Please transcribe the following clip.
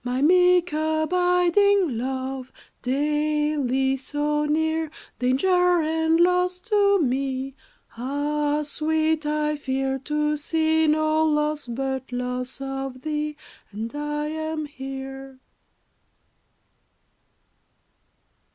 My meek abiding, Love, Daily so near? "Danger and loss" to me? Ah, Sweet, I fear to see No loss but loss of Thee And I am here.